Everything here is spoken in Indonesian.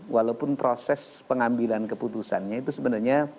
walaupun proses pengambilan keputusannya itu sebenarnya